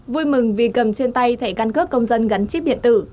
vui mừng vì cầm trên tay thẻ căn cước công dân gắn chip điện tử